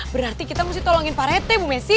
berarti kita mesti tolongin pak rete bu messi